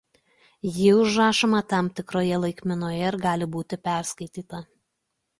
Ji užrašoma tam tikroje laikmenoje ir gali būti perskaityta.